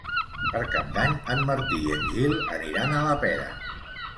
Per Cap d'Any en Martí i en Gil aniran a la Pera.